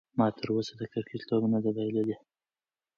ما تر اوسه د کرکټ لوبه نه ده بایللې.